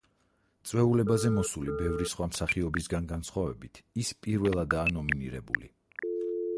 წვეულებაზე მოსული ბევრი სხვა მსახიობისგან განსხვავებით, ის პირველადაა ნომინირებული.